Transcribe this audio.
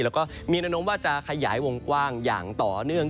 แล้วก็มีแนวโน้มว่าจะขยายวงกว้างอย่างต่อเนื่อง